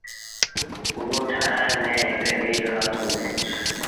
ڪٻو ٺآرآڻ ميݩ هڪڙي ڀيٚل رو هٿ اهي۔